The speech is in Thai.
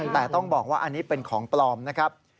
แต่ต้องบอกว่าอันนี้เป็นของปลอมนะครับ